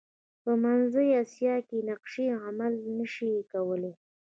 په منځنۍ اسیا کې نقشې عملي نه شي کولای.